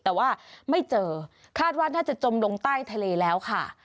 แต่ว่าไม่เจอคาดว่าน่าจะจมลงใต้ทะเลแล้วค่ะ